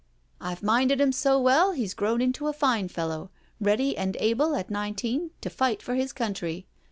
" I've minded him so well he's grown into a fine fellow, ready and able at nineteen to fight for his country.